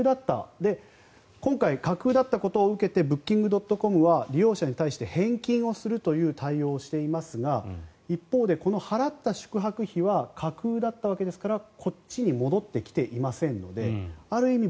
今回、架空だったことを受けてブッキングドットコムは利用者に対して返金をするという対応をしていますが一方でこの払った宿泊費は架空だったわけですからこっちに戻ってきていませんのである意味